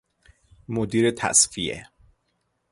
مدیر تصفیه